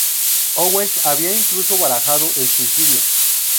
Owens había incluso barajado el suicidio.